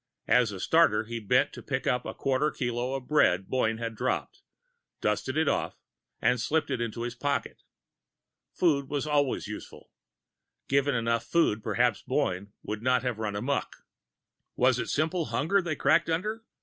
As a starter, he bent to pick up the quarter kilo of bread Boyne had dropped, dusted it off and slipped it into his pocket. Food was always useful. Given enough food, perhaps Boyne would not have run amok. Was it simple hunger they cracked under?